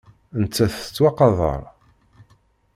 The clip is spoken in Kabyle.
Nettat tettwaqadar.